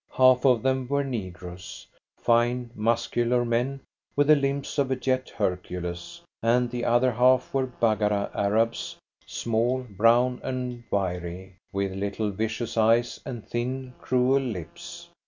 Half of them were negroes fine, muscular men, with the limbs of a jet Hercules; and the other half were Baggara Arabs small, brown, and wiry, with little, vicious eyes, and thin, cruel lips.